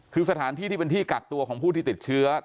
คือสถานที่ที่เป็นที่กักตัวของผู้ที่ติดเชื้อ